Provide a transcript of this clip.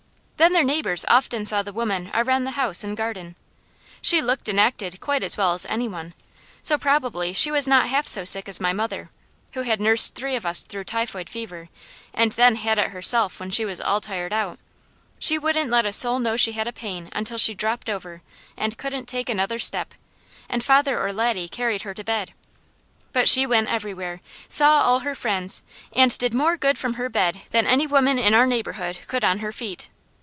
Then their neighbours often saw the woman around the house and garden. She looked and acted quite as well as any one, so probably she was not half so sick as my mother, who had nursed three of us through typhoid fever, and then had it herself when she was all tired out. She wouldn't let a soul know she had a pain until she dropped over and couldn't take another step, and father or Laddie carried her to bed. But she went everywhere, saw all her friends, and did more good from her bed than any other woman in our neighbourhood could on her feet.